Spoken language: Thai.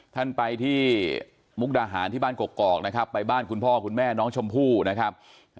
ท่านไปที่มุกดาหารที่บ้านกอกนะครับไปบ้านคุณพ่อคุณแม่น้องชมพู่นะครับ